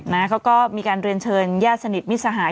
แล้วแล้วก็มีการเรียนเชิญญาติสนิทมิตรสหาย